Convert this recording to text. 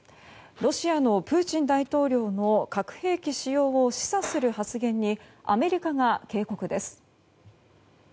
ロシアのプーチン大統領の核兵器使用を示唆する発言にアメリカが警告です。